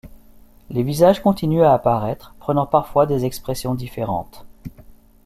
Les visages continuent à apparaître, prenant parfois des expressions différentes.